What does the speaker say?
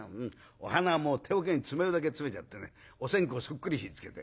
お花も手おけに詰めるだけ詰めてやってねお線香そっくり火つけて。